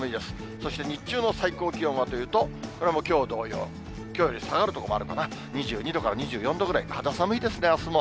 そして日中の最高気温はというと、これもきょう同様、きょうより下がる所もあるかな、２２度から２４度ぐらい、肌寒いですね、あすも。